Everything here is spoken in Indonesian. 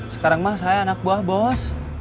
sekarang mas saya anak buah bos